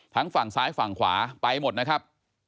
ฝั่งซ้ายฝั่งขวาไปหมดนะครับ